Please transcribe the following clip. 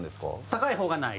高い方がない。